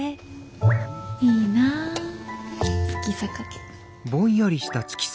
いいなあ月坂家。